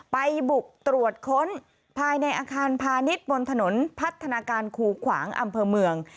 ไปบุกตรวจค้นภายในอาคารพาณิชย์บนถนนพัฒนาการคูขวางอำเภอเมือง